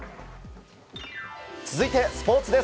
続いて、スポーツです。